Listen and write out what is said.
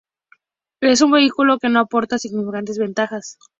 Es un vehículo que no aporta significativas ventajas.